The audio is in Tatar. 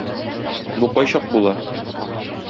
Бу кайчак була?